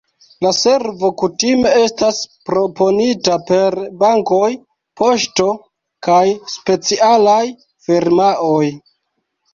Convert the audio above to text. La servo kutime estas proponita per bankoj, poŝto kaj specialaj firmaoj.